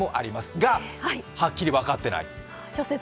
が、はっきり分かっていない。